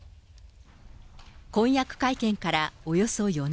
婚約会見からおよそ４年。